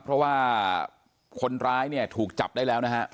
เพราะว่าคนร้ายเนี่ยถูกจับได้แล้วนะฮะ